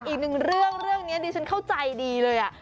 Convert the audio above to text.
อีกหนึ่งเรื่องเรื่องนี้ดิฉันเข้าใจดีเลย